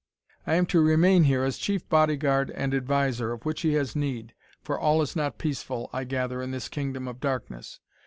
"I am to remain here as chief bodyguard and adviser, of which he has need, for all is not peaceful, I gather, in this kingdom of darkness.